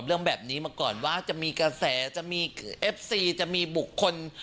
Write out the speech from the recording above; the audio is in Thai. เรื่องนี้นำแสดงจาก